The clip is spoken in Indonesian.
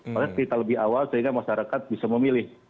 tapi kita lebih awal sehingga masyarakat bisa memilih